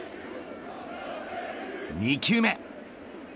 ２球目。